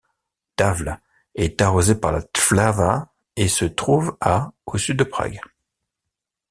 Davle est arrosée par la Vltava et se trouve à au sud de Prague.